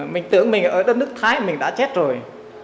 mình tưởng mình ở đất nước thái mình đã chết rồi